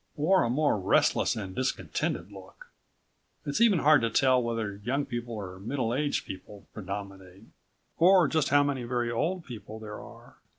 Or a more restless and discontented look. It's even hard to tell whether young people or middle aged people predominate, or just how many very old people there are.